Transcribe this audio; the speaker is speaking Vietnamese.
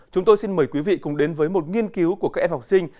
chúng tôi xin mời quý vị cùng đến với một nghiên cứu của các em học sinh